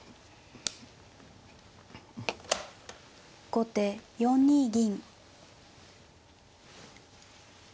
後手４二銀。